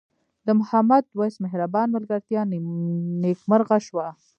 د محمد وېس مهربان ملګرتیا نیکمرغه شوه.